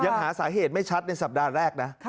ยังหาสาเหตุไม่ชัดในสัปดาห์แรกนะ